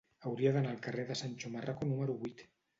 Hauria d'anar al carrer de Sancho Marraco número vuit.